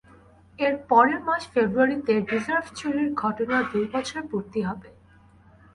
এর পরের মাস ফেব্রুয়ারিতে রিজার্ভ চুরির ঘটনার দুই বছর পূর্তি হবে।